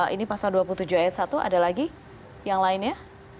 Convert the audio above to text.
ini pasal dua puluh tujuh ayat satu ada lagi yang lainnya